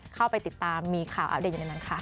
เข้าไปติดตามมีข่าวอัปเดตอยู่ในนั้นค่ะ